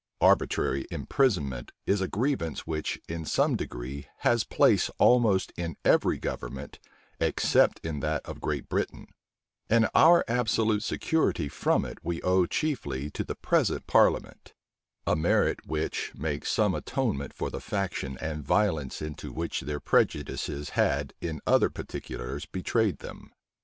Arbitrary imprisonment is a grievance which, in some degree, has place almost in every government, except in that of Great Britain; and our absolute security from it we owe chiefly to the present parliament; a merit, which makes some atonement for the faction and violence into which their prejudices had, in other particulars, betrayed them.